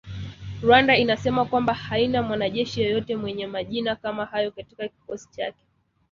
Rwanda inasema kwamba haina mwanajeshi yeyote mwenye majina kama hayo katika kikosi chake